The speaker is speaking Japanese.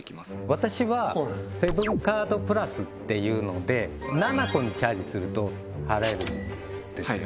私はセブンカード・プラスっていうのでｎａｎａｃｏにチャージすると払えるんですよね